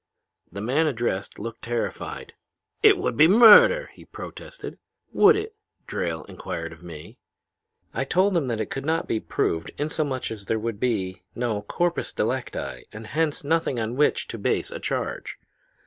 "The man addressed looked terrified. 'It would be murder!' he protested. "'Would it?' Drayle inquired of me. "I told him that it could not be proved inasmuch as there would be no corpus delicti and hence nothing on which to base a charge.